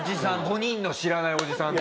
５人の知らないおじさん。